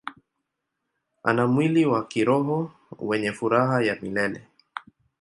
Ana mwili wa kiroho wenye furaha ya milele.